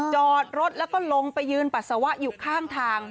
จอดรถแล้วก็ลงไปยืนปัสสาวะอยู่ข้างทาง